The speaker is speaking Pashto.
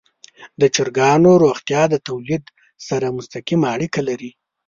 د چرګانو روغتیا د تولید سره مستقیمه اړیکه لري.